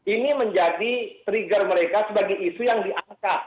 ini menjadi trigger mereka sebagai isu yang diangkat